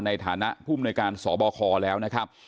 ในฐานะผู้มนวยการสบคแล้วนะครับ